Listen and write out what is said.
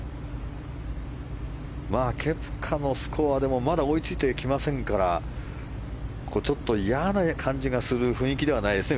ケプカのスコアでもまだ追いついてきませんからちょっと嫌な感じがする雰囲気ではないですよね。